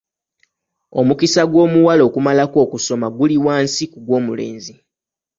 Omukisa gw'omuwala okumalako okusoma guli wansi ku gw'omulenzi.